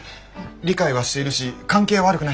理解はしているし関係は悪くない。